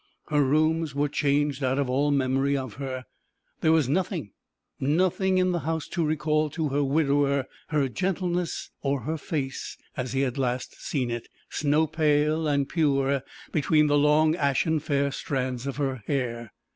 Her rooms were changed out of all memory of her. There was nothing, nothing in the house to recall to her widower her gentleness, or her face as he had last seen it, snow pale and pure between the long ashen fair strands of her hair.